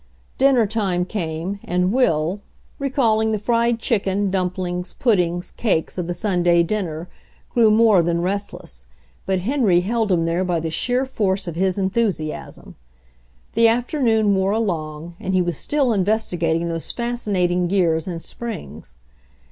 Dinner time came, and Will, recalling the fried io HENRY FORD'S OWN STORY chicken, dumplings, puddings, cakes, of the Sun day dinner, grew more than restless, but Henry held him there by the sheer force of his en I thusiasm. The afternoon wore along, and he was still investigating those fascinating gears and springs.